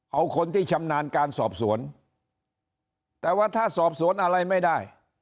เอาคนที่ชำนาญการสอบสวนแต่ว่าถ้าสอบสวนอะไรไม่ได้